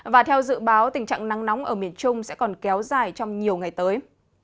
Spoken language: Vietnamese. và theo dự báo tình trạng nắng nóng ở miền trung sẽ còn kéo dài trong nhiều ngày tới